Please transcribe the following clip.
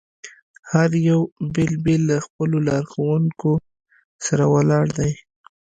هر یو بېل بېل له خپلو لارښوونکو سره ولاړ دي.